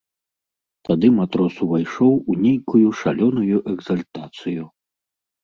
Тады матрос увайшоў у нейкую шалёную экзальтацыю.